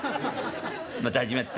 「また始まった。